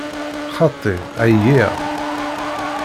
Xaṭi, εyiɣ.